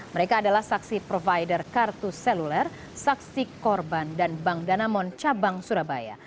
mereka adalah saksi provider kartu seluler saksi korban dan bank danamon cabang surabaya